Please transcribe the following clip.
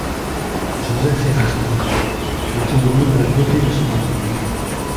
Joseph Erhardy veut témoigner de la beauté de son époque.